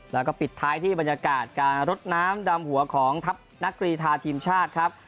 แล้วก็ปิดท้ายที่บรรยากาศการรดน้ำดำหัวของทัพนักกรีธาทีมชาติครับ